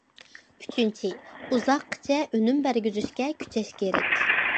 ئۈچىنچى، ئۇزاققىچە ئۈنۈم بەرگۈزۈشكە كۈچەش كېرەك.